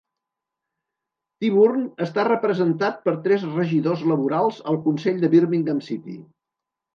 Tyburn està representat per tres regidors laborals al Consell de Birmingham City.